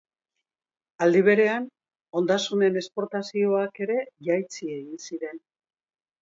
Aldi berean, ondasunen esportazioak ere jaitsi egin ziren.